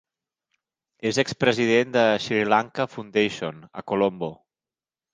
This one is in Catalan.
És expresident de la Sri Lanka Foundation, a Colombo.